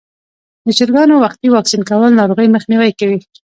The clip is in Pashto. د چرګانو وختي واکسین کول ناروغۍ مخنیوی کوي.